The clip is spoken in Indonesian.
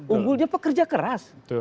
unggulnya pekerja keras